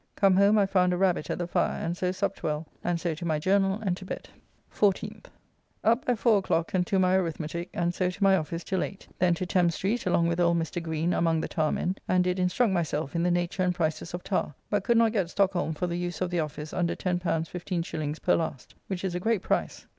Come home I found a rabbit at the fire, and so supped well, and so to my journall and to bed. 14th. Up by 4 o'clock and to my arithmetique, and so to my office till 8, then to Thames Street along with old Mr. Green, among the tarr men, and did instruct myself in the nature and prices of tarr, but could not get Stockholm for the use of the office under L10 15s. per last, which is a great price.